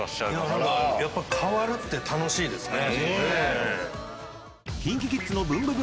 何かやっぱ変わるって楽しいですね。